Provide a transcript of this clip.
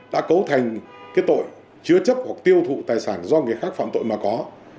đã cấu thành cái tội chứa chấp hoặc tiêu thụ tài sản do người khác phạm tội mà có